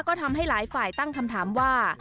ก็ทำให้หลายฝ่ายตั้งคำถามว่า